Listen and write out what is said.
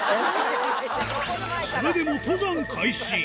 それでも登山開始。